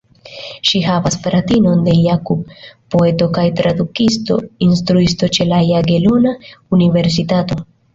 Ŝi havas fratinon de Jakub, poeto kaj tradukisto, instruisto ĉe la Jagelona Universitato.